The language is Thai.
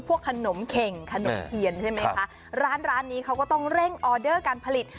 พวกขนมเข่งขนมเทียนใช่ไหมคะร้านร้านนี้เขาก็ต้องเร่งออเดอร์การผลิต